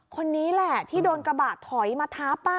คนนี้แหละที่โดนกระบะถอยมาท้าป้า